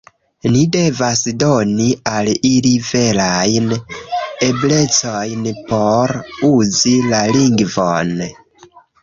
Ni devas doni al ili verajn eblecojn por uzi la lingvon.